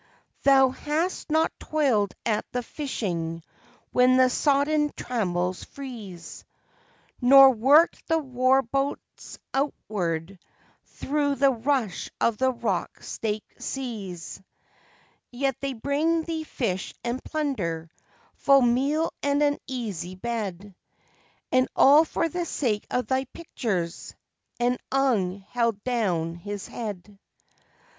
"Thou hast not toiled at the fishing when the sodden trammels freeze, Nor worked the war boats outward, through the rush of the rock staked seas, Yet they bring thee fish and plunder full meal and an easy bed And all for the sake of thy pictures." And Ung held down his head.